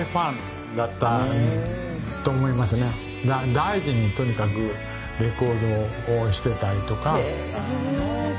大事にとにかくレコードをしてたりとか。